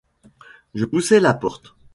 Je poussai la porte